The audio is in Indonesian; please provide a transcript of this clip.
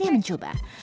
wah ini keren banget